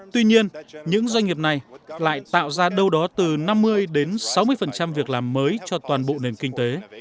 tuy nhiên những doanh nghiệp này lại tạo ra đâu đó từ năm mươi đến sáu mươi việc làm mới cho toàn bộ nền kinh tế